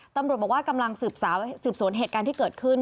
ตำรวจบอกว่ากำลังสืบสวนเหตุการณ์ที่เกิดขึ้น